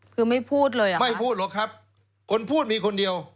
คือไม่พูดเลยหรือครับคุณพูดมีคนเดียว